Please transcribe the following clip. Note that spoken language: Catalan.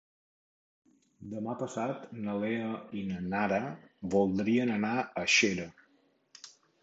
Demà passat na Lea i na Nara voldrien anar a Xera.